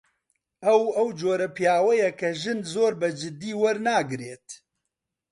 ئەو، ئەو جۆرە پیاوەیە کە ژن زۆر بەجددی وەرناگرێت.